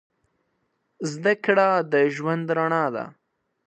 زده کړه د ژوند رڼا ده.